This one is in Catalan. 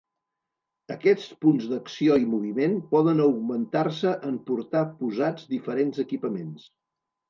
Aquests punts d'acció i moviment poden augmentar-se en portar posats diferents equipaments.